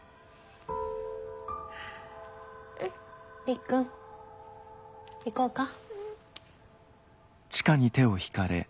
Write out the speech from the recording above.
りっくん行こうか。